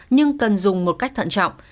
nhưng cần dùng một cách thận trọng